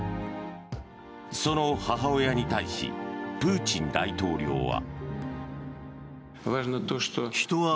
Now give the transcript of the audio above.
その母親に対しプーチン大統領は。